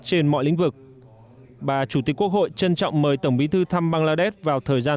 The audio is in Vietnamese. trên mọi lĩnh vực bà chủ tịch quốc hội trân trọng mời tổng bí thư thăm bangladesh vào thời gian